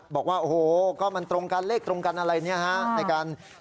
บอกว่าโอ้โหก็มันตรงกันเลขตรงกันอะไรเนี่ยฮะในการ